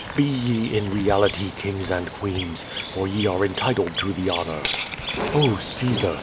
Be ye in reality kings and queens, for ye are entitled to the honor. Oh, Caesar!